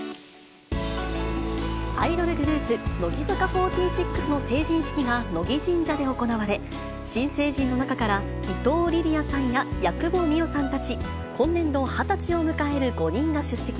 アイドルグループ、乃木坂４６の成人式が、乃木神社で行われ、新成人の中から伊藤理々杏さんや矢久保美緒さんたち、今年度二十歳を迎える５人が出席。